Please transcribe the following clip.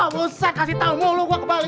musa kasih tahu mulu gue kebalik mulu